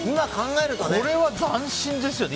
これは斬新ですよね。